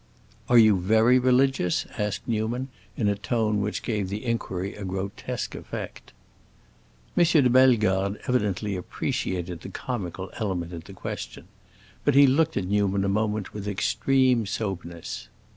"Are you very religious?" asked Newman, in a tone which gave the inquiry a grotesque effect. M. de Bellegarde evidently appreciated the comical element in the question, but he looked at Newman a moment with extreme soberness.